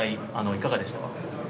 「いかがでしたか？」。